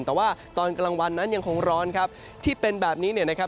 แต่ว่าตอนกลางวันนั้นยังคงร้อนครับที่เป็นแบบนี้เนี่ยนะครับ